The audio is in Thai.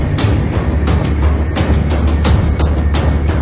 แล้วก็พอเล่ากับเขาก็คอยจับอย่างนี้ครับ